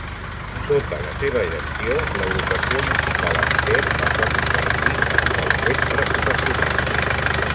Sota la seva gestió, l'agrupació musical amateur es va convertir en una orquestra professional.